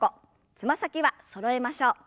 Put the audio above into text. つま先はそろえましょう。